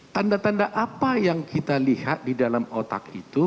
tanda tanda apa yang kita lihat di dalam otak itu